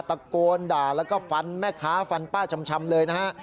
ตะโกนด่าแล้วก็ฟันแม่ค้าฟันป้าชำเลยนะฮะ